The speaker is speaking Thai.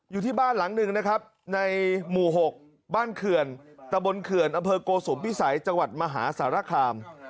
อยู่ที่บ้านหลังหนึ่งนะครับในหมู่๖บ้านเขื่อนตะบนเขื่อนอำเภอโกสุมพิสัยจังหวัดมหาสารคาม